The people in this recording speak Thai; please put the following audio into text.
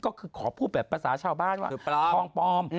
ก็คือขอพูดแบบภาษาชาวบ้านว่าทองปลอม